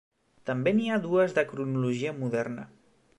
També n'hi ha dues de cronologia moderna.